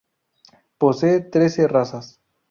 Posee trece razas.